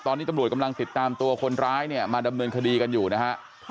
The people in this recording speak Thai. ตอนนี้ตำรวจกำลังติดตามตัวคนร้ายเนี่ยมาดำเนินคดีกันอยู่นะฮะ